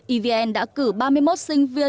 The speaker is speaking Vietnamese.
evn đã cử ba mươi một sinh viên